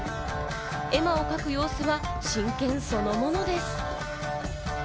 絵馬を書く様子は真剣そのものです。